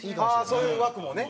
そういう枠もね。